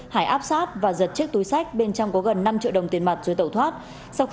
hải áp sát và giật chiếc túi sách bên trong có gần